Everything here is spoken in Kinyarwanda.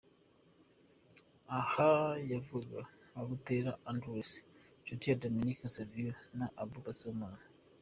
Aha yavugaga nka Buteera Andrew, Nshuti Dominique Savio na Abouba Sibomana.